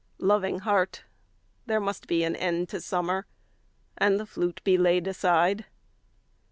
Loving Heart, There must be an end to summer, And the flute be laid aside.